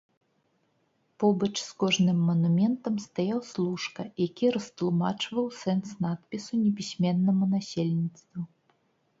Побач з кожным манументам стаяў служка, які растлумачваў сэнс надпісу непісьменнаму насельніцтву.